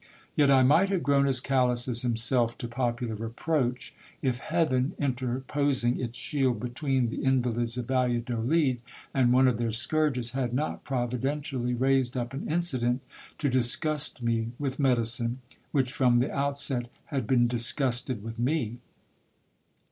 Yet I might have grown as callous as himself to popular reproach, if heaven, interposing its shield between the invalids of Val ladolid and one of their scourges, had not providentially raised up an inci dent to disgust me with medicine, which from the outset had been disgusted with me.